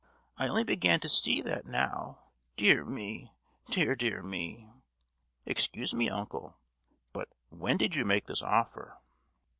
I only begin to see that now. Dear me! dear, dear me!" "Excuse me, uncle; but when did you make this offer?"